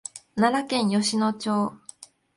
奈良県吉野町